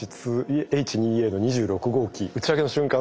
Ｈ２Ａの２６号機打ち上げの瞬間